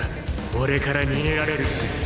俺から逃げられるって。